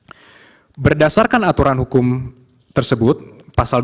dan perubahan anggaran penduduk dan penduduk yang berada di dalam hal ini